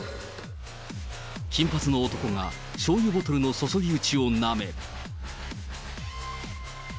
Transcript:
金髪の男がしょうゆボトルの注ぎ口をなめ。